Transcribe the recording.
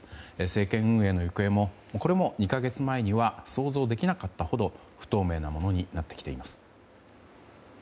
政権運営の行方もこれも２か月前には想像できなかったほど不透明なものになってきています。